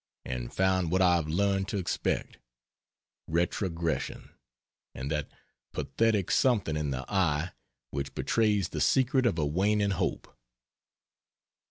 And found what I have learned to expect retrogression, and that pathetic something in the eye which betrays the secret of a waning hope.